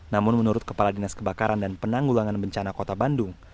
namun menurut kepala dinas kebakaran dan penanggulangan bencana kota bandung